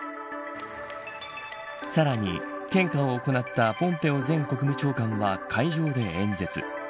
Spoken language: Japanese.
さらに献花を行ったポンペオ前国務長官は会場で演説。